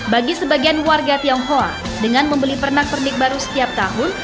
bagi sebagian warga tionghoa dengan membeli pernak pernik baru setiap tahun